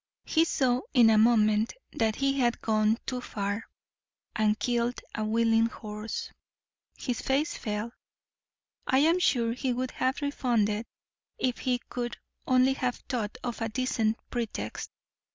He saw in a moment that he had gone too far, and killed a willing horse; his face fell; I am sure he would have refunded if he could only have thought of a decent pretext.